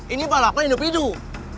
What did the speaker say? ini balapan hidup hidup